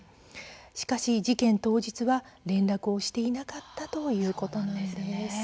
しかし、事件当日は連絡をしていなかったということなんです。